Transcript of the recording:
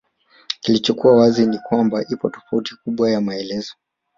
Kilichokuwa wazi ni kwamba ipo tofauti kubwa ya maelezo